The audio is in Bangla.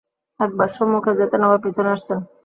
একবার সম্মুখে যেতেন আবার পিছনে আসতেন।